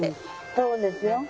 そうですよ。